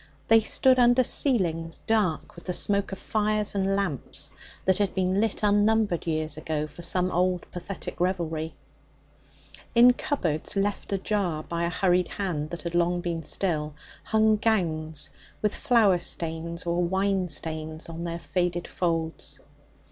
They stood under ceilings dark with the smoke of fires and lamps that had been lit unnumbered years ago for some old pathetic revelry. In cupboards left ajar by a hurried hand that had long been still, hung gowns with flower stains or wine stains on their faded folds.